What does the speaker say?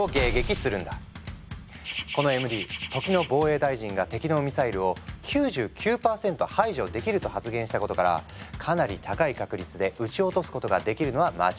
このＭＤ時の防衛大臣が敵のミサイルを「９９％排除できる」と発言したことからかなり高い確率で撃ち落とすことができるのは間違いなさそう。